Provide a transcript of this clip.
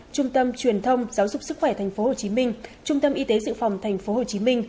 trung tâm truyền thông giáo dục sức khỏe tp hcm trung tâm y tế dự phòng tp hcm